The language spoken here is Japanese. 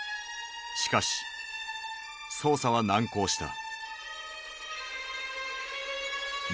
しかし捜査は難航した。